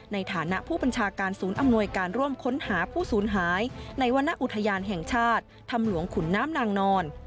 ในฐานะผู้บัญชาการศูนย์อำนวยการร่วมค้นหาผู้สูญหายในวรรณอุทยานแห่งชาติถ้ำหลวงขุนน้ำนางนอน